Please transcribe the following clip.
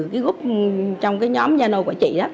cái gốc trong nhóm zalo của chị